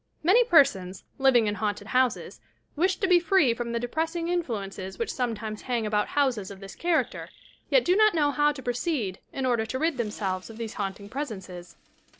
Many persons, living in haunted houses, wish to be free from the depressing influences which sometimes hang about houses of this character, yet do not know how to proceed in order to rid themselves of these haunting presences.